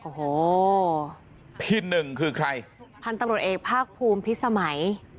โอ้โหพี่นึงคือใครพันตำรวจเอกภาคภูมิพิศไหม